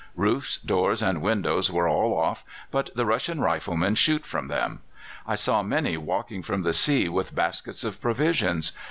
Roofs, doors, and windows were all off, but the Russian riflemen shoot from them. I saw many walking from the sea with baskets of provisions.